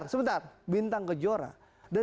sebentar bintang kejora